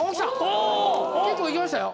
結構行きましたよ